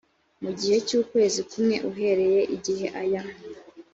mu gihe cy ukwezi kumwe uhereye igihe aya